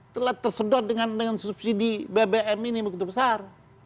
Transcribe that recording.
telah tersedot dengan subsidi bbm ini begitu besar